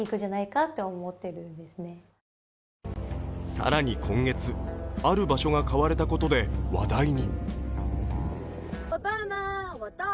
更に今月、ある場所が買われたことで話題に。